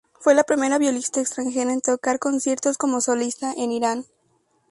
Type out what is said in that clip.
Fue la primera violista extranjera en tocar conciertos como solista en Irán.